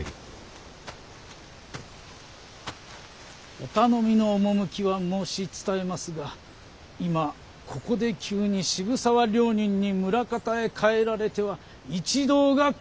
お頼みの趣は申し伝えますが今ここで急に渋沢両人に村方へ帰られては一同が困りまする。